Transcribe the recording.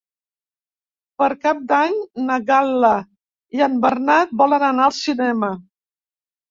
Per Cap d'Any na Gal·la i en Bernat volen anar al cinema.